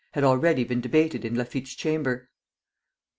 had already been debated in Laffitte's chamber.